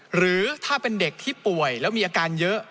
หรือถ้าเป็นเด็กที่ป่วยแล้วมีอาการเยอะ